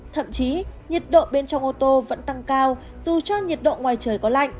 thậm chí nhiệt độ bên trong ô tô vẫn tăng cao dù cho nhiệt độ ngoài trời có lạnh